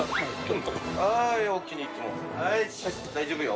呂大丈夫よ。